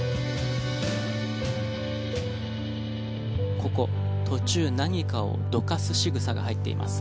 ここ、途中、何かをどかすしぐさが入っています。